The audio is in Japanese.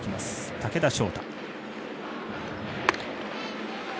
武田翔太。